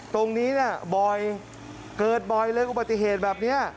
ตรงนี้น่ะบอยเกิดบอยเรื่องปฏิเหตุแบบนี้